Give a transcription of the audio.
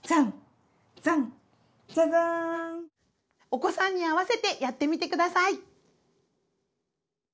お子さんに合わせてやってみてください。